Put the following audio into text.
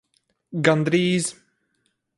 Gandrīz.